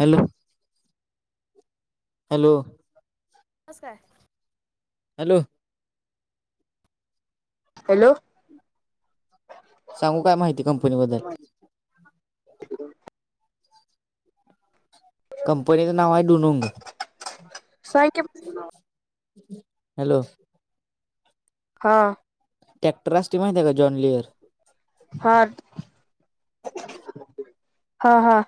Hello hello नमस्कार hello hello सांगू काय माहिती कंपनी बद्दल कंपनीचं नाव आहे डुनुंग क हॅलो हा टॅक्टर असटी माहिती आहे का जॉन लिअर हा हा हा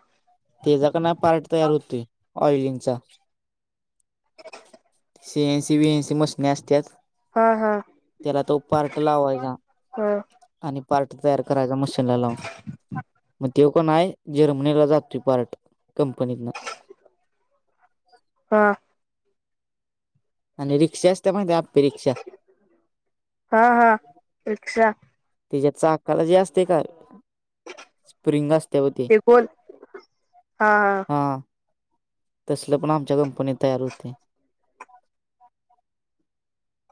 तेचा का नाही पार्ट तयार होते ऑइलिंगचा C N C B N C मशनी असतात हा हा त्याला तर उह टलावाय का हा आणि पार्ट तयार करायचा मशीनला लावून मग ते पण आहे जर्मनीला जात टिपार्ट कंपनी ना हा आणि रिक्षा असत माहि त्या आपे रिक्षा हा हा रिक्षा त्याच्यात चाकाला जे असते काय स्प्रिंग असते हो ते हा तसलं पण आमच्या कंपनीत तयार होते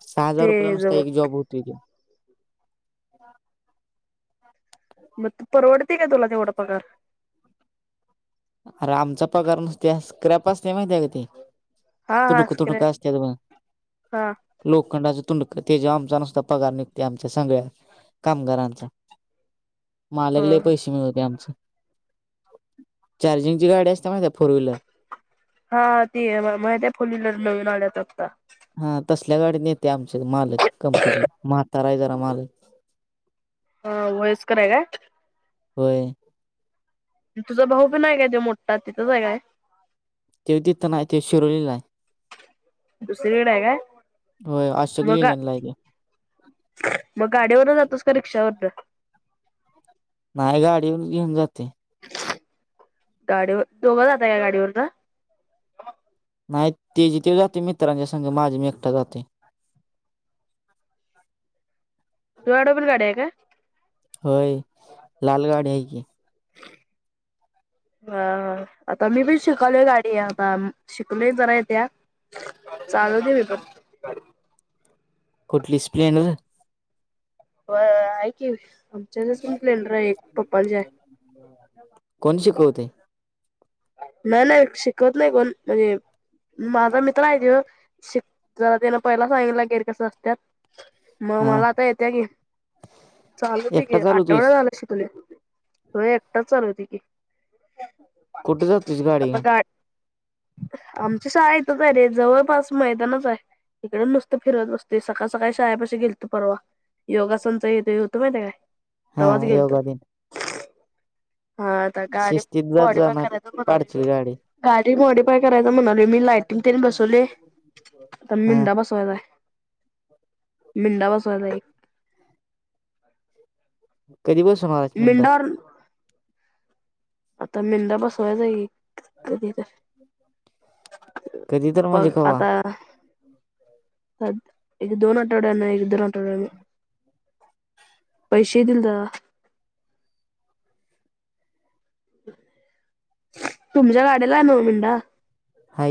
सहा हजार ते रपयाला नसत जवळ एक जब होती मग तू परवडते का तुला तेवढा पगार अरे आमचा पगार नसते स्क्रॅप असते माहितीय आहे का ते हा हा तुडुक स्क्रे तुडुक असत मग हा लोखंडाचे तुंडक ते जेव आमचा नसद्धा पगार निघते आमच्या सगळ्यात कामगारांचा हा मालकले पैसे मिळवते आमच चार्जिंगची गडी असते म त्या फोर्हीलर हा ती आहे मा ते फुलीला नळन आल्यात फक्ता हा तसल्या गाडी न येते आमचे मालक कंपनी म्हाताराय जरा मालक हा वयस्करर का होय तुझं भाऊ पण आहे काय तेो मोठतात तिथंच आहे काय तेवतीथना ते शिरवलेला आहे दुसरी जेडे ह का होय आज सगली लाहिे मग गाडीवर जातोस का रिक्षावर नाही गाडीन घेऊन जाते गाडीवर दोघा जात या गाडीवरचा नाही ते जी ते जाते मित्रांच्या संघी माझे मी एकटा जाते तू डोबर गाड आहे का होय लालगाडी आहे की हा आता मी पण शिकवलोय गाडी आता श तुलाही जरा येत्या चालू दे मी पण कुठली स्प्लेंडर आहे की आमच्या ज संचलेलं र एक पप्पा जे आहे हो कोण शिकवते नाही नाही शिकवत नाही कोण म्हणजे माझा मित्र आहे तेव शिक जला त्याना पहिला सांगन ला गेर कस असत मग हा मला आता येत्या गे चालूते एकटा गे चालवतोयस आठवडा झाला शिकलोय हो एकटाच चालवतोय की. कुठे जातुइस गाडी घेऊन. आमच्या शाळेतच आहे रे जवळपास मैदानाच आहे. तिकड नसतं फिरत बसतो सकाळ सकाळी शाळेपाशी गेलतो परवा. योगासनच हितं हे होत माहित्या काय हा तवाच गेलतो. योगा दिन हा आता गाडी शिस्तीत जात जा मॉडीफाय नाही करायच पाडशील म्हणाली गाडी. गाडी मॉडीफाय करायच म्हणाली मी लाईट किमतीने बसवले आता हा मिंडा बसवायचाय. मिंडा बसवायला एक. कधी बसणारय. मिंडा हॉर्न आता मेंढा बसवायचईय की. कधी तर. कधी तर बघ म्हणजे कवा. आता एक दोन आठवड्याना एक दोन आठवड्याने. पैशे दिलं तवा. तुमच्या गाड्यालला हाय नव मिंडा. हा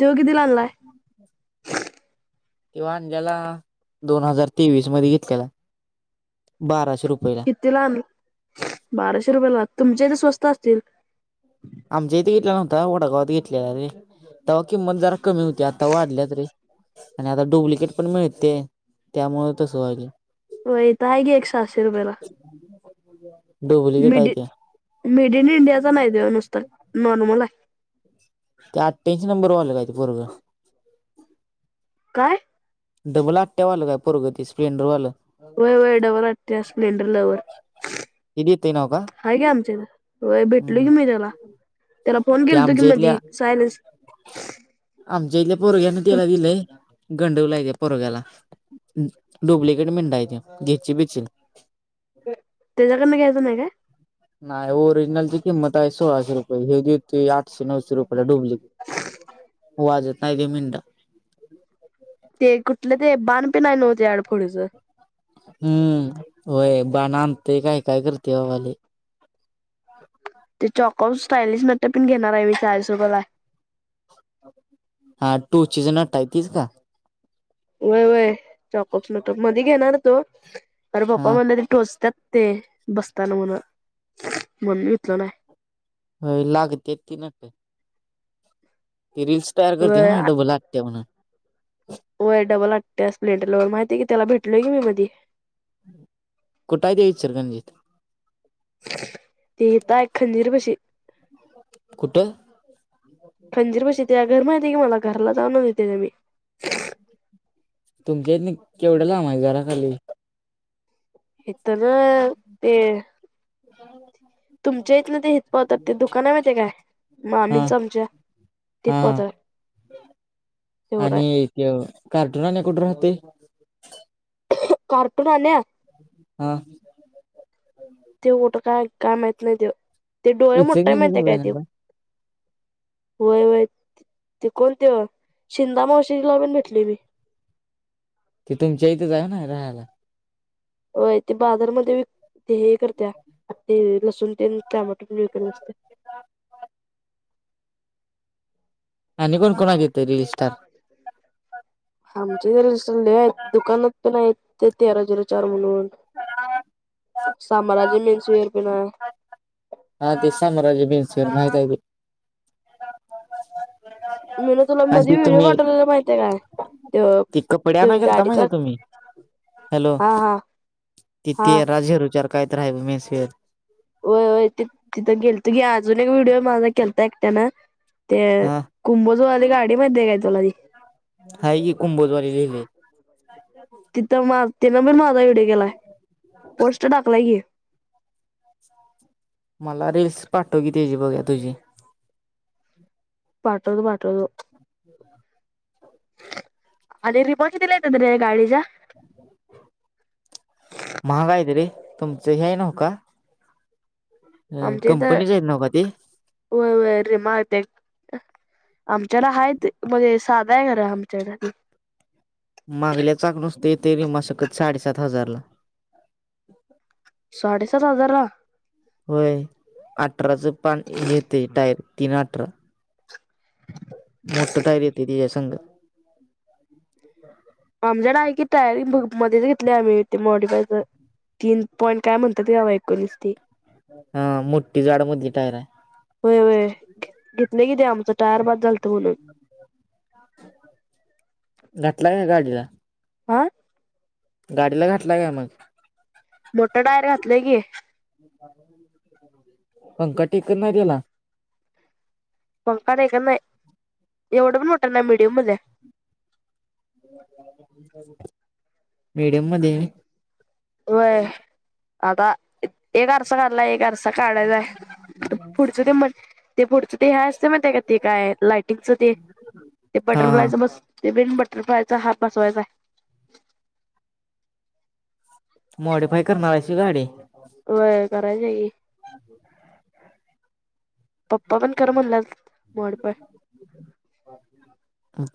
तेव किती ला आणलाय ह किव्हा अज्याला दोन हजार तेवीस मध्ये घेतलेला बाराशे रुपयला कितीला आणल बाराशे रुपयेला तुमच्या इथे स्वस्त असतील. आमच्या इथे घेतला नव्हता वडागावात घेतलेला रे तेव्हा किंमत जरा कमी होती आता वाढल्यात रे. आणि आता डुप्लिकेट पण मिळते त्यामुळे तसं व्हायलय. होय आहेे की एक पाचशे रुपयाला. डुप्लिकेट आहे मिडी ते. मेड इन इंडियाचा नाही देव नुसतं नॉर्मल आहे. ते अठ्ठ्यांशी नंबर वालं काय ते पोरगं. काय. डबल आट्या वालं काय ते पोरगं स्प्लेंडरवाल. वय वय डबल आठ्या स्प्लेंडर लवर. ते देतय नव्ह का? हाय ग आमचे हित होय भेटलोय की हम्म मी तेला. तेला फोन ते केलता की आमच्या मधी इथल्या सायलेन्स आमच्या इथल्या पोरग्यान तेला दिलय. गंडवलायघे परोग्याला डुप्लिकेट मिेंढा हाय त्यो घेची बिचील. तेज्या कडन घ्यायचा नाही काय. नाही ओरिजनलची किंमत आहे सोळाशे रुपये ह्यो देतोय आठशे नऊशे रुपयाला डुप्लिकेट. वाजत नाही त्यो मिंडा. ते कुठले ते बाण पण हाई नव तेझ्याकड पुढच. हम्म होय बाण आणतेय काय काय करते बाबा लय. ते चॉकउ स्टायलिश म पण घेणार आहे मी साारसोबला हा टूचिचा नट हाय तेच का? वय वय चॉकप नट मध्ये घेणार तो अरे पप्पा हा म्हणलात ठोचत्यात. ते बसताना म्हण म्हणून इथलं नाही. हो लागत्यात ती नट. तेी रीलल्स तयार करते हो व्हय ना डबल आट्टया म्हणून. हो डबल आटया स्प्लेंडरलवर माहीतेय की तेला भेटूलोय की मी मधी. कुठ हाय ते इचलकरंजी. ते हिताय खंजीर बशी. कुठं. खंजीर बशीित घर माहितीे की मला घरला जाऊन देते मी [unintelligible] तुमच्या इथन केवढ्या ला माझ्या घराखाली [unintelligible] इथं ग ते. तुमच्या इथं जे दुकान होतं ते माहितीये का तुम्हाला हा हा मामीचआमच्या तपत हा. एवढ [unintelligible] तो कार्टून वाला कुठे राहतो. कार्टून आलाय हा ते कठं काय का माहत नाही ते ते डोळे मोठा माह इचलकरंजीला काय जाणार ते का [unintelligible] वय वय ते कोणते शिंदे मावशीला पण भेटली ते तुमच्या इथे आहे ना राहायला. होय ते बाजारा मध्ये लसूण टमाॅटो विकत असते आणि कोण कोण आले रील स्टार आमचे ज सले आहेत दुकानात पण आहेत ते तेरा झिरो चार म्हणून [unintelligible] साम्राज्य मेन्स वेयर पिन हाय. हा ते साम्राज्यमेन्स माहितेय की मीन तुला आणि मध्ये ती व्हिडिओ तुम्ही पाठवलेला माहितीय काय त्यो ती कपडे त्यो आणय गेलता गाडीचा माहितेय का तुम्ही? हॅलो हा हा हा तिथे राजेरुचार कायतर आहे बग मेन्सवेअर. होय होय तिथे गेलता की मागे एक व्हिडिओ केला एकट्याने हा कुंभोज वाली गाडी माहिती आहे का तुला. आहे की कुंभोज वाली लिहलय तीन आपण माझा व्हिडिओ केला पोस्ट टाकलाय की [unintelligible] मला रील्स पाठवकी. तुझी पाठवतो पाठवतो. अले रिमस दिलायेत्रे गाडीच्या महाग आहेत रे तुमचे हे आहे नव्ह का? हा कंपनीच आहेत. नव्ह का ते व्हय व्हय रे माग आमच्याला हायच मजे साधा आहे घर आमचं. मागचं चाक आहे. ते साडेसात हजाराला. साडे सात हजारा ला होय अठराचं पान येतय टायर तीन अठरा मोठं टायर येते त्याच्या संग आमच्या नाही की टयर मध्येच घेतली आम्ही मोॉडी पा तीन पॉईंट म्हणात ते एकोणीस ते हा मो्ठी जाड मधली टायर आहे. होय होय घेतल की आमच टायर बाद झालतं म्हणून. घातलाका गाडीला आ. गाडीला घातला काय मग मोठं टायर घातलं की. पंख टेकत नाय त्याला पंखा टेकत नाही एवढं पण मोठा ना मीडियम मधलं ये मिडीयम मध्ये. होय आता एक आरसा घातलाय एक आरसा काढायच पुढच ते म्ह ते पुडच ते ह असते मग त्या ते काय लाईट च ते ते हा हा बटरफ्लायच बस ते बन बटरफ्लायचा हात बसवायचा आहे. मॉडीफाय करणार्याची गाडी व्हय करायची की. [inaudible] पप्पा पण कर म्हणला मोडीफाय.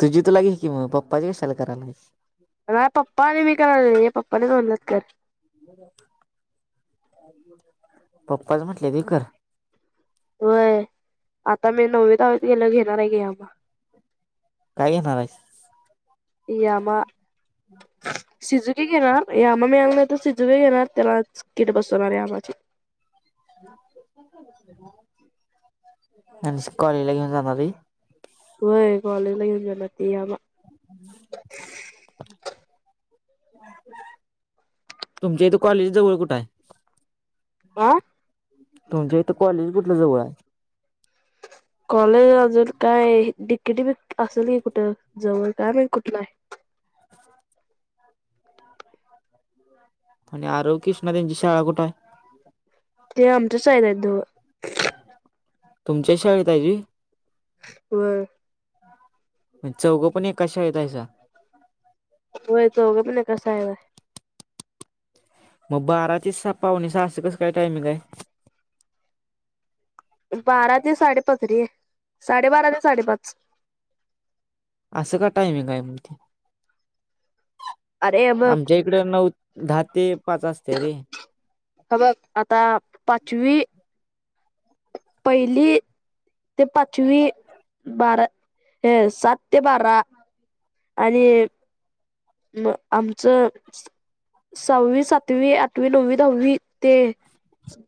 तुझी तुला घे की मग पप्पाची कशाला करायला. म पप्पा आणि मी कराले पप्पाने बोल्यात कर पप्पाच म्हटलंय त कर होय आता मी नववी दहावीत गेल घेणार आहे की आबा काय घेणार आहे. यामा शिजुकी घेणार यामा मिळाला तर शिजुकीे घेणार त्याला किट बसवणार या आमाचे [inaudible] आणि कॉलेज ला घेऊन जाणार व्हय. हो कॉलेज ला घेऊन जाणार यामा. हम... तुमच्या इथे कॉलेज जवळ कुठे आहे... आ... तुमच्या इथं कॉलेज कुठलं जवळ आहे... कॉलेज अजून काय डिकेटी बिक असेल की कुठं जवळ काय नाही कुठलं आहे.. हम... आरव आणि कृष्णाची शाळा कुठे आहे... ते आमच्याच शाळेत आहेत... तुमच्या शाळेत आहेत होय होय.. म्हणज चौघं पण एकच शाळेत आहेत का? होय चौघ पण एकाच शाळेत आहेत. मग बारा ते सहा पावणे सहा कसं काय टायमिंग आहे.. बारा ते साडे पाच र आहे साडे बारा ते साडे पाच असं का टायमिंग आहे मग ते... अरे हे बघ आमच्या इकड नऊ दहा ते पाच असते रे.. हे बघ आता पाचवी... पहिली.. ते पाचवी बारा ह सात ते बारा.. आणि.. म आमचं.. सहावी सातवी आठवी नववी दहावी ते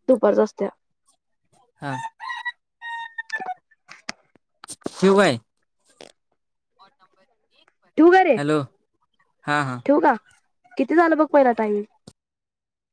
दुपारच असत्या... हा.. शिवाय ठेऊ का रे हॅलो हा हा. ठेऊ का किती झालं बघ पहिला टाईम...